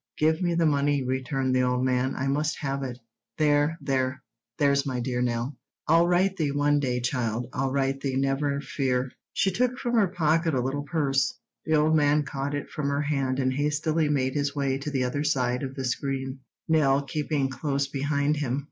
"Give me the money," returned the old man; "I must have it. There—there—there's my dear Nell. I'll right thee one day, child. I'll right thee, never fear!" She took from her pocket a little purse. The old man caught it from her hand and hastily made his way to the other side of the screen, Nell keeping close behind him.